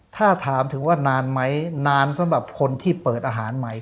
ถ้าถามถึงว่านานไหมนานสำหรับคนที่เปิดอาหารใหม่